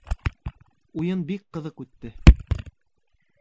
Уйын бик ҡыҙыҡ үтте..